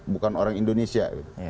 bukan orang indonesia